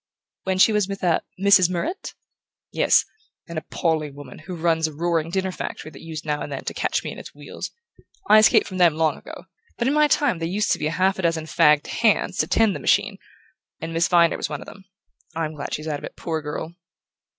"When she was with a Mrs. Murrett?" "Yes; an appalling woman who runs a roaring dinner factory that used now and then to catch me in its wheels. I escaped from them long ago; but in my time there used to be half a dozen fagged 'hands' to tend the machine, and Miss Viner was one of them. I'm glad she's out of it, poor girl!"